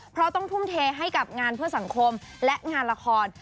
เพราะต้องทุ่มเทให้กับงานเพื่อสังคมและงานละคร